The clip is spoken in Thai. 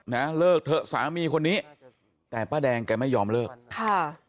นะเลิกเถอะสามีคนนี้แต่ป้าแดงแกไม่ยอมเลิกค่ะ